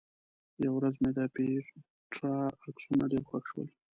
یوه ورځ مې د پېټرا عکسونه ډېر خوښ شول.